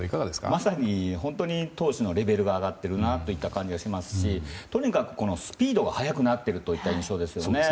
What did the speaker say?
まさに本当に投手のレベルが上がっているなという感じがしますしとにかくスピードが速くなっている印象ですね。